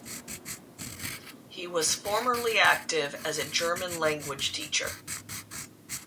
He was formerly active as a German language teacher.